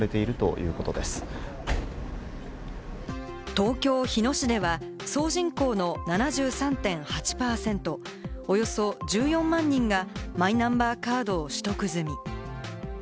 東京・日野市では、総人口の７３．８％、およそ１４万人がマイナンバーカードを取得済み。